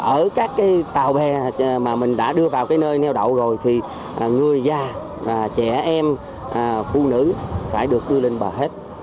ở các cái tàu bè mà mình đã đưa vào cái nơi neo đậu rồi thì người già trẻ em phụ nữ phải được đưa lên bờ hết